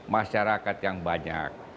masyarakat yang banyak